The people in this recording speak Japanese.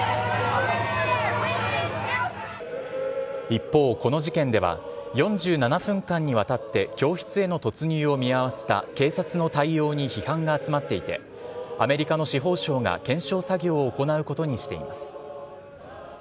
一方、この事件では、４７分間にわたって教室への突入を見合わせた警察の対応に批判が集まっていて、アメリカの司法省が検証作業を行うことにしています。